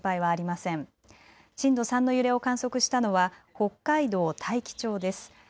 震度３の揺れを観測したのは北海道大樹町です。